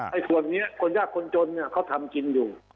ส่วนนี้คนยากคนจนเขาทำกินอยู่